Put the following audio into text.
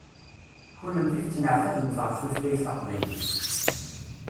Kunemti tettneɛtabemt ɣef tutlayt taqbaylit.